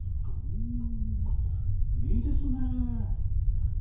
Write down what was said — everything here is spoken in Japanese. ふんいいですね。